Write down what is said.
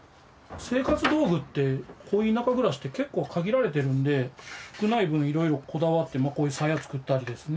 生活道具ってこういう田舎暮らしって結構限られているので少ない分いろいろこだわってこういう鞘作ったりですね